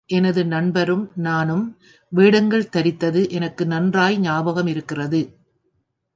இதில் எனது நண்பரும் நானும் வேடங்கள் தரித்தது எனக்கு நன்றாய் ஞாபகமிருக்கிறது.